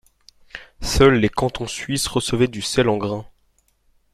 Seuls les cantons suisses recevaient du sel en grains.